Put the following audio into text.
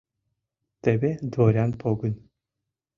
Теве Дворян погын.